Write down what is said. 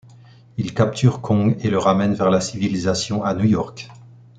Ils capturent Kong et le ramènent vers la civilisation, à New York.